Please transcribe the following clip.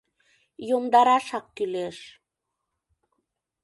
Йомдарашак кӱлеш...